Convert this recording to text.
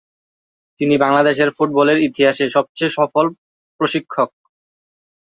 তিনি বাংলাদেশের ফুটবলের ইতিহাসে সবচেয়ে সফল প্রশিক্ষক।